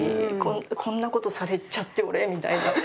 「こんな事されちゃって俺」みたいな。